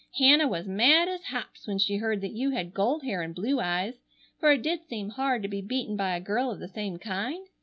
Hannah was mad as hops when she heard that you had gold hair and blue eyes, for it did seem hard to be beaten by a girl of the same kind?